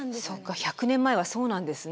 １００年前はそうなんですね。